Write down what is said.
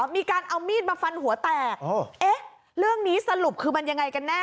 มีการเอามีดมาฟันหัวแตกเอ๊ะเรื่องนี้สรุปคือมันยังไงกันแน่